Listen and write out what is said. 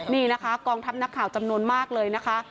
นี่นะคะกองทัพนักข่าวจำนวนมากเลยนะคะ